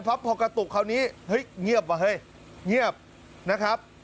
เพราะพอกระตุกคราวนี้เฮ้ยเงียบว่ะเฮ้ยเงียบนะครับ